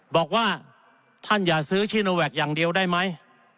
บอกว่าท่านอย่าซื้อชิโนแวคอย่างเดียวได้ไหม